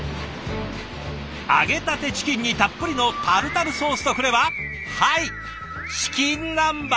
揚げたてチキンにたっぷりのタルタルソースとくればはいチキン南蛮。